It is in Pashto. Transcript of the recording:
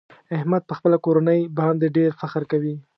احمد په خپله کورنۍ باندې ډېر فخر کوي.